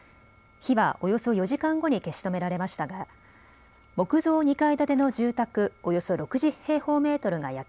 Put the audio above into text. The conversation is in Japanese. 火はおよそ４時間後に消し止められましたが木造２階建てのの住宅およそ６０平方メートルが焼け